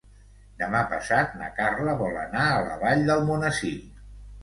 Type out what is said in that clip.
Demà passat na Carla vol anar a la Vall d'Almonesir.